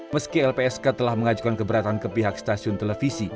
meski lpsk telah mengajukan keberatan ke pihak stasiun televisi